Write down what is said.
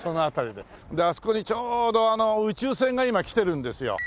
であそこにちょうどあの宇宙船が今来てるんですよ。